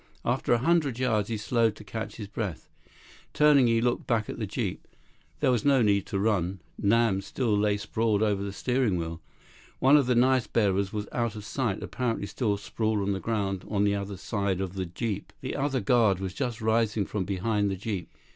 After a hundred yards, he slowed to catch his breath. Turning, he looked back at the jeep. There was no need to run. Nam still lay sprawled over the steering wheel. One of the knife bearers was out of sight, apparently still sprawled on the ground on the other side of the jeep. The other guard was just rising from behind the jeep.